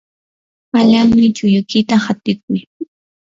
alanmi, chulluykita qatiykuy.